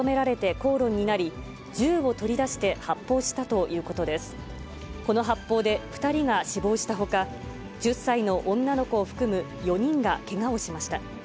この発砲で２人が死亡したほか、１０歳の女の子を含む４人がけがをしました。